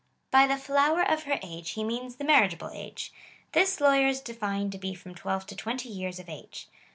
^> Pj! the flower ojher age he means the marriageable age. This lawyers define to be from twelve to twenty years of age.